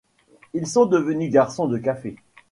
Ils sont devenus garçons de café.